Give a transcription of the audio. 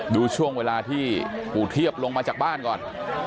ดูช่วงเวลาที่ปู่เทียบลงมาจากบ้านก่อน